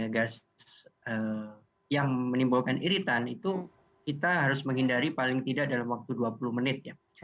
gas yang menimbulkan iritan itu kita harus menghindari paling tidak dalam waktu dua puluh menit ya